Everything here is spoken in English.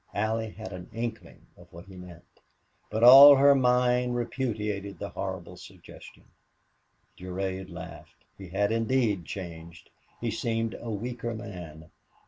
Allie had an inkling of what it meant, but all her mind repudiated the horrible suggestion. Durade laughed. He had indeed changed. He seemed a weaker man.